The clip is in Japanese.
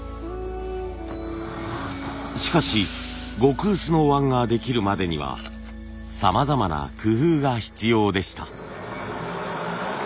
しかし極薄のお椀ができるまでにはさまざまな工夫が必要でした。